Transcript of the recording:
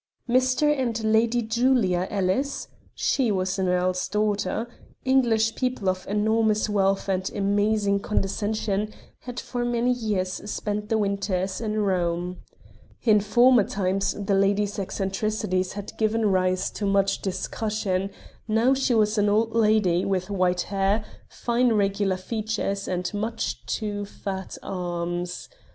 Mr. and Lady Julia Ellis she was an earl's daughter English people of enormous wealth and amazing condescension, had for many years spent the winters in Rome. In former times the lady's eccentricities had given rise to much discussion; now she was an old lady with white hair, fine regular features and much too fat arms.